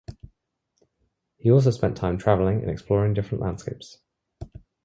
He also spent time traveling and exploring different landscapes.